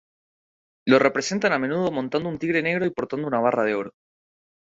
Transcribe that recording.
Lo representan a menudo montando un tigre negro y portando una barra de oro.